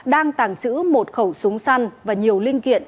đang tàng trữ một khẩu súng săn và nhiều linh kiện